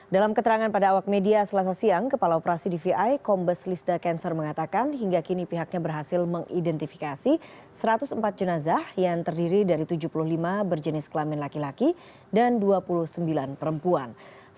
dalam keterangan pada awak media selasa siang kepala operasi dvi kombes lista cancer mengatakan hingga kini pihaknya berhasil mengidentifikasi satu ratus empat jenazah yang terdiri dari tujuh puluh lima berjenis kelamin laki laki dan dua puluh sembilan perempuan